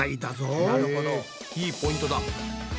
へぇいいポイントだ。